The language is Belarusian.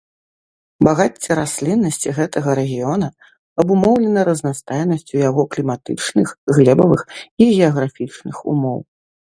Багацце расліннасці гэтага рэгіёна абумоўлена разнастайнасцю яго кліматычных, глебавых і геаграфічных умоў.